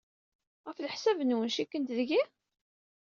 Ɣef leḥsab-nwen, cikkent deg-i?